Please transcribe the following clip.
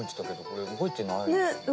ねっ動いてない。